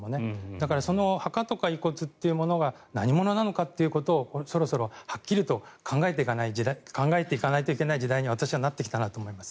だから墓とか遺骨っていうものは何者なのかっていうことをそろそろはっきりと考えていかないといけない時代に私はなってきたなと思います。